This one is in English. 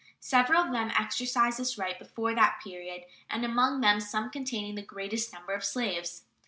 Several of them exercised this right before that period, and among them some containing the greatest number of slaves.